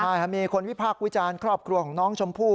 ใช่ครับมีคนวิพากษ์วิจารณ์ครอบครัวของน้องชมพู่